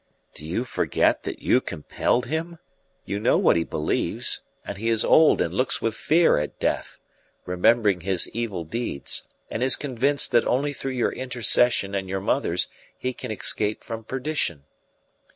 "Do you forget that you compelled him? You know what he believes; and he is old and looks with fear at death, remembering his evil deeds, and is convinced that only through your intercession and your mother's he can escape from perdition.